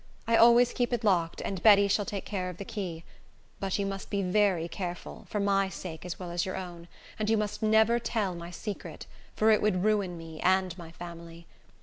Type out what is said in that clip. I always keep it locked, and Betty shall take care of the key. But you must be very careful, for my sake as well as your own; and you must never tell my secret; for it would ruin me and my family.